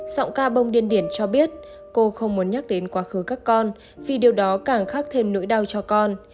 sọng ca bông điên điển cho biết cô không muốn nhắc đến quá khứ các con vì điều đó càng khác thêm nỗi đau cho con